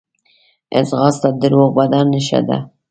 ځغاسته د روغ بدن نښه ده